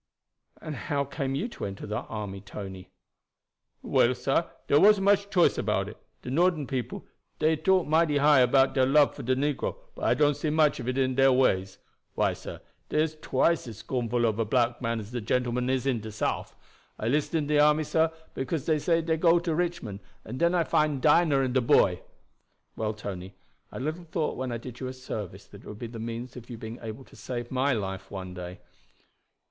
"And how came you to enter the army, Tony?" "Well, sah, dere wasn't much choice about it. De Northern people, dey talk mighty high about der love for de negro, but I don't see much of it in der ways. Why, sah, dey is twice as scornful ob a black man as de gentleman is in de Souf. I list in de army, sah, because dey say dey go to Richmond, and den I find Dinah and de boy." "Well, Tony, I little thought when I did you a service that it would be the means of you being able to save my life some day."